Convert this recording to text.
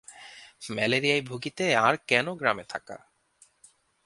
ম্যালেরিয়ায় ভুগিতে আর কেন গ্রামে থাকা?